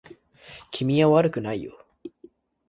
君は悪くないよ